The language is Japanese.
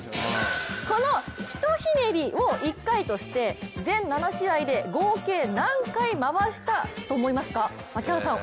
この１ひねりを１回として、全７試合で合計何回回したと思いますか？